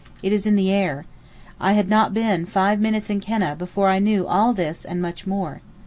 It is in the air. I had not been five minutes in Keneh before I knew all this and much more.